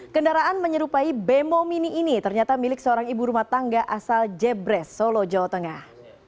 kendaraan menyerupai bemo mini ini ternyata milik seorang ibu rumah tangga asal jebres solo jawa tengah